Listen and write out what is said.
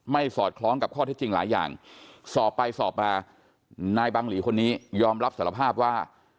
สอดคล้องกับข้อเท็จจริงหลายอย่างสอบไปสอบมานายบังหลีคนนี้ยอมรับสารภาพว่า